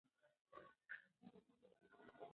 د ایران پاچا د کندهار د لاسه ورکولو په غم کې ډوب و.